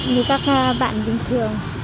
như các bạn bình thường